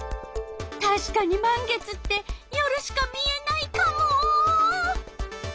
たしかに満月って夜しか見えないカモ！